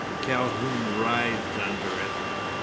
Calhoun writhed under it.